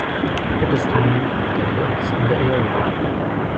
It is named for the hills in the area.